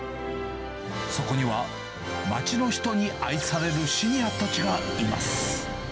そこには、街の人に愛されるシニアたちがいます。